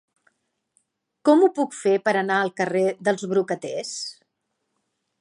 Com ho puc fer per anar al carrer dels Brocaters?